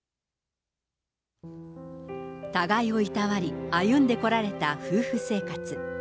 互いをいたわり、歩んでこられた夫婦生活。